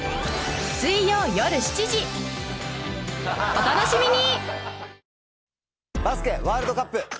お楽しみに！